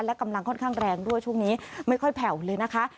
และกำลังค่อนข้างแรงด้วยช่วงนี้ไม่ค่อยแผ่วเลยนะคะ